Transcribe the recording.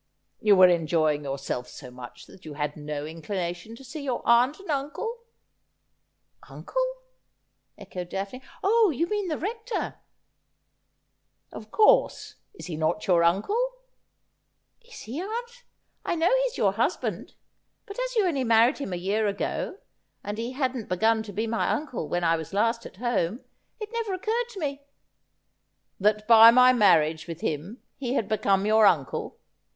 ' You were enjoying yourself so much that you had no in clination to see your aunt and uncle ?'' Uncle ?' echoed Daphne. ' Oh, you mean the Rector ?'' Of course. Is he not your uncle ?'' Is he, aunt ? I know he's your husband ; but as you only married him a year ago, and he hadn't begun to be my uncle when I was last at home, it never occurred to me '' That by my marriage with him he had become your uncle.